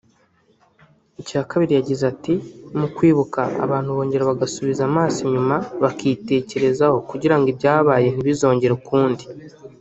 Icya kabiri yagize ati “Mu kwibuka abantu bongera bagasubiza amaso inyuma bakitekerezaho kugira ngo ibyabaye ntibizongere ukundi